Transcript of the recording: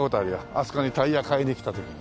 あそこにタイヤ買いに来た時に。